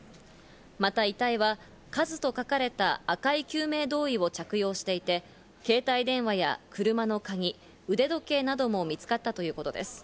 また遺体は「ＫＡＺＵ」と書かれた、赤い救命胴衣を着用していて、携帯電話や車の鍵、腕時計なども見つかったということです。